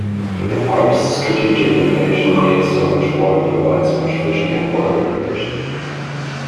The park's strategic location near so much water provides much fishing and water recreation.